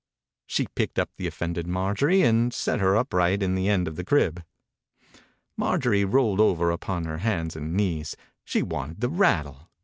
She picked up the offended Marjorie and set her upright in the end of the crib. Marjorie rolled over upon her hands and knees. She wanted the rattle.